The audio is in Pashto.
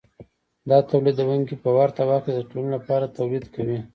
دا تولیدونکي په ورته وخت کې د ټولنې لپاره تولید کوي